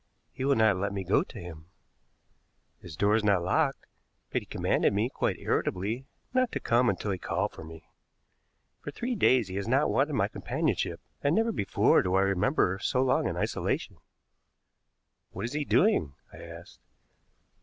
He will not let me go to him. His door is not locked, but he commanded me, quite irritably, not to come until he called for me. For three days he has not wanted my companionship, and never before do I remember so long an isolation." "What is he doing?" I asked.